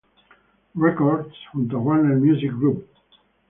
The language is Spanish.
Records, junto a Warner Music Group.